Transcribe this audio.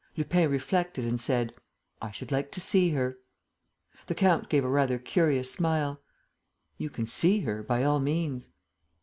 Lupin reflected and said: "I should like to see her." The count gave a rather curious smile: "You can see her, by all means."